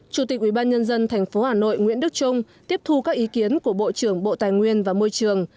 chủ tịch ủy ban nhân dân tp hà nội nguyễn đức trung tiếp thu các ý kiến của bộ trưởng bộ tài nguyên và môi trường